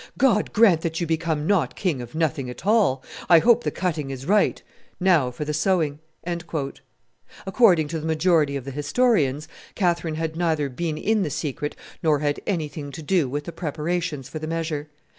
God grant that you become not king of nothing at all. I hope the cutting is right; now for the sewing." According to the majority of the historians, Catherine had neither been in the secret nor had anything to do with the preparations for the measure.